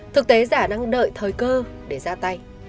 thực tế giả đang đợi thời cơ để ra tay